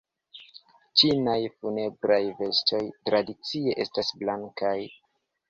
Ĉinaj funebraj vestoj tradicie estas blankaj.